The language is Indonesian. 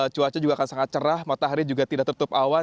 cuaca juga akan sangat cerah matahari juga tidak tertutup awan